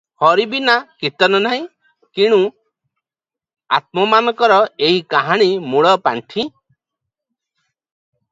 'ହରି ବିନା କୀର୍ତ୍ତନ ନାହିଁ ।' କିଣୁ ଆମ୍ଭମାନଙ୍କର ଏହି କାହାଣୀର ମୂଳ ପାଣ୍ଠି ।